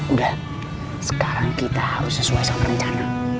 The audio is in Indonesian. udah sekarang kita harus sesuai sama rencana